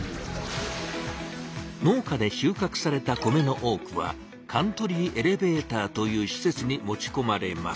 農家で収穫された米の多くはカントリーエレベーターというしせつに持ちこまれます。